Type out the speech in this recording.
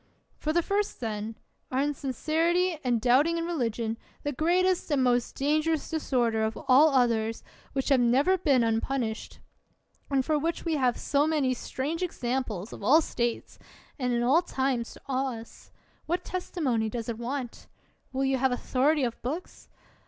For the first, then, our insinceritv and doubt ing m religion, the greatest and most dangerous disorder of all others, which has never been unpunished, and for which we have so many strange examples of all states and in all times to awe us,— what testimony does it want? Will 40 ELIOT you have authority of books